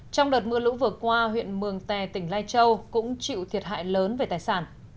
trong đợt mưa lũ vừa qua huyện mường tè tỉnh lai châu cũng chịu thiệt hại lớn về tài sản